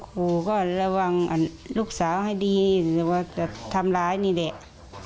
ครูก็ระวังลูกสาวให้ดีหรือว่าจะทำร้ายนี่แหละ